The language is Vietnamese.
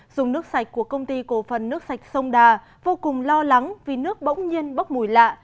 dùng nước sạch của công ty cổ phần nước sạch sông đà vô cùng lo lắng vì nước bỗng nhiên bốc mùi lạ